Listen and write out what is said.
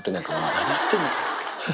何やってんの？